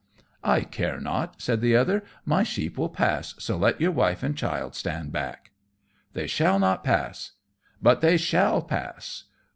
"I care not," said the other, "my sheep shall pass, so let your wife and child stand back." "They shall not pass." "But they shall pass."